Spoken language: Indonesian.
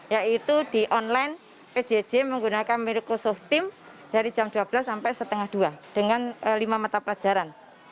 yaitu di online pjj menggunakan microsoft team dari jam dua belas sampai setengah dua dengan lima mata pelajaran